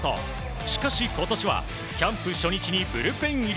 しかし、今年はキャンプ初日にブルペン入り。